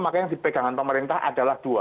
makanya dipegangan pemerintah adalah dua